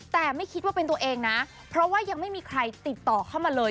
แต่ไม่คิดว่าเป็นตัวเองนะเพราะว่ายังไม่มีใครติดต่อเข้ามาเลย